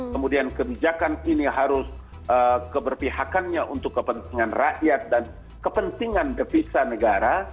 kemudian kebijakan ini harus keberpihakannya untuk kepentingan rakyat dan kepentingan devisa negara